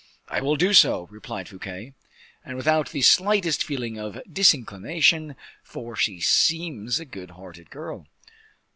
"I will do so," replied Fouquet, "and without the slightest feeling of disinclination, for she seems a good hearted girl."